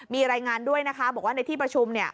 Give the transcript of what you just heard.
มีรายงานด้วยนะคะบอกว่าในที่ประชุม